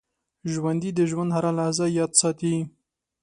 ژوندي د ژوند هره لحظه یاد ساتي